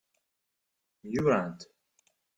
Myurant.